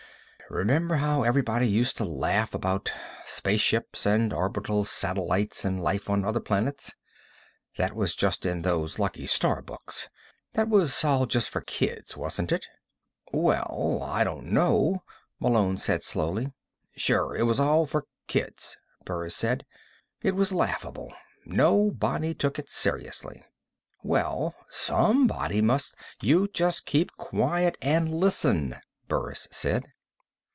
"Remember how everybody used to laugh about spaceships, and orbital satellites, and life on other planets? That was just in those 'Lucky Starr' books. That was all just for kids, wasn't it?" "Well, I don't know," Malone said slowly. "Sure it was all for kids," Burris said. "It was laughable. Nobody took it seriously." "Well, somebody must " "You just keep quiet and listen," Burris said.